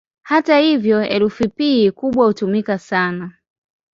Hata hivyo, herufi "P" kubwa hutumika sana.